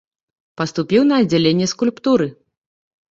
Паступіў на аддзяленне скульптуры.